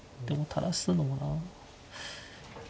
でも垂らすのもな。